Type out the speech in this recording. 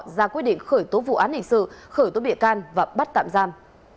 ra quyết định khởi tố vụ án hình sự khởi tố bị can và bắt tạm giam